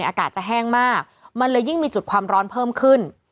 อากาศจะแห้งมากมันเลยยิ่งมีจุดความร้อนเพิ่มขึ้น